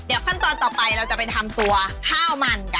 เดี๋ยวขั้นตอนต่อไปเราจะไปทำตัวข้าวมันกัน